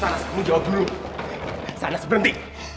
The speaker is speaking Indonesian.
sanas kamu jawab dulu sanas berhenti